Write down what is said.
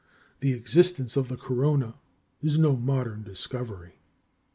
The existence of the corona is no modern discovery.